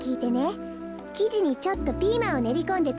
きじにちょっとピーマンをねりこんでつくってみたの。